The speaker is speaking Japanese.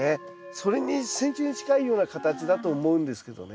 それにセンチュウに近いような形だと思うんですけどね。